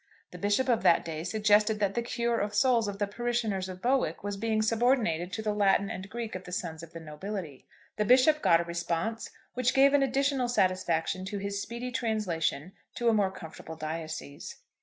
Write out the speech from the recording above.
The bishop of that day suggested that the cure of the souls of the parishioners of Bowick was being subordinated to the Latin and Greek of the sons of the nobility. The bishop got a response which gave an additional satisfaction to his speedy translation to a more comfortable diocese.